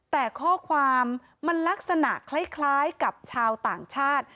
แต่ข้อความมันลักษณะคล้ายกับชาวต่างชาติ